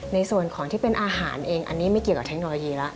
ในส่วนของที่เป็นอาหารเองอันนี้ไม่เกี่ยวกับเทคโนโลยีแล้ว